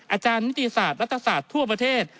อาจารย์นิติศาสตร์รัฐศาสตร์ทั่วประเทศ